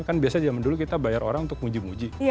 kan biasanya zaman dulu kita bayar orang untuk muji muji